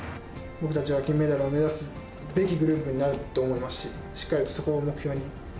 僕たちは金メダルを目指すべきグループになると思いますし、しっかりとそこを目標に。